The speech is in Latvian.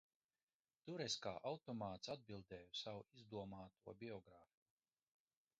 Tur es kā automāts atbildēju savu izdomāto biogrāfiju.